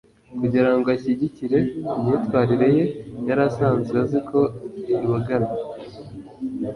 kugira ngo ashyigikire imyitwarire ye yari asanzwe azi ko iboganye.